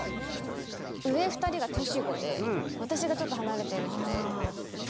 上２人が年子で私がちょっと離れているので。